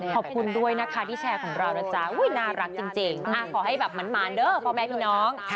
ขอบคุณด้วยนะคะที่แชร์ของเรานะจ๊ะน่ารักจริงขอให้แบบหมานเด้อพ่อแม่พี่น้อง